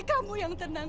kamu yang tenang